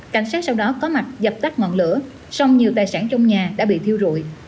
cảnh sát sau đó có mặt dập tắt ngọn lửa song nhiều tài sản trong nhà đã bị thiêu rụi